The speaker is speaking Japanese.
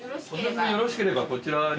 よろしければこちらに。